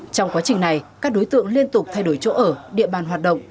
trong quá trình này các đối tượng liên tục thay đổi chỗ ở địa bàn hoạt động